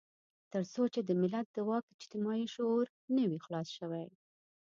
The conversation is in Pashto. تر څو چې د ملت د واک اجتماعي شعور نه وي خلاص شوی.